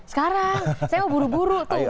sekarang saya mau buru buru tuh